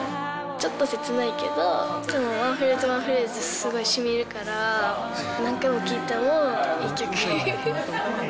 ちょっと切ないけど、ワンフレーズ、ワンフレーズ、すごいしみるから、何回聴いてもいい曲。